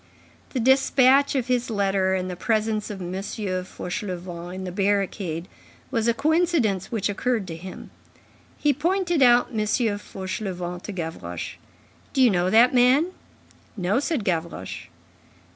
The despatch of his letter and the presence of M. Fauchelevent in the barricade, was a coincidence which occurred to him. He pointed out M. Fauchelevent to Gavroche. "Do you know that man?" "No," said Gavroche.